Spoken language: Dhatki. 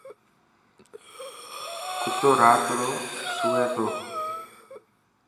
ڪتو رات رو سوي تيو.